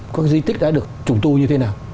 các di tích đã được trùng tu như thế nào